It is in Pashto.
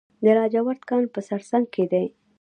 د لاجورد کان په سرسنګ کې دی